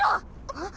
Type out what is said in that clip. えっ？